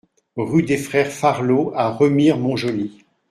Rue des Frères Farlot à Remire-Montjoly